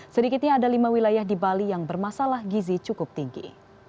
sedikitnya ada lima wilayah di bali yang bermasalah gizi cukup tinggi